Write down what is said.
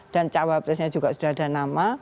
dan cawapresnya juga sudah ada nama